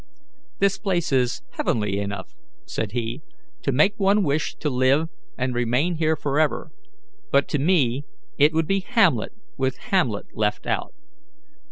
"The place is heavenly enough," said he, "to make one wish to live and remain here forever, but to me it would be Hamlet with Hamlet left out."